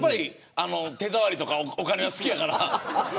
手触りとかお金が好きやから。